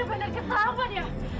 kamu bener bener keselamat ya